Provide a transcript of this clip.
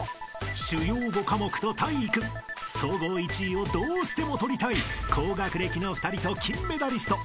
［主要５科目と体育総合１位をどうしても取りたい高学歴の２人と金メダリスト］